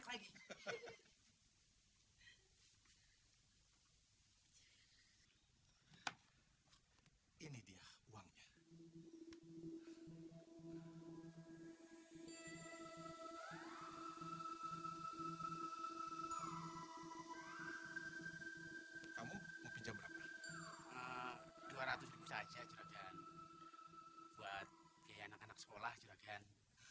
hai kamu mau pinjam berapa dua ratus saja juragan buat biaya anak anak sekolah juragan